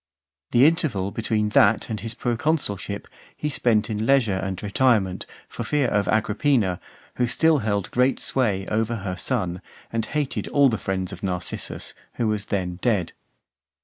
The interval between that and his proconsulship he spent in leisure and retirement, for fear of Agrippina, who still held great sway over her son, and hated all the friends of Narcissus, who was then dead.